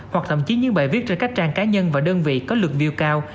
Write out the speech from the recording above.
hoặc thậm chí những bài viết trên các trang cá nhân và đơn vị có lượt view cao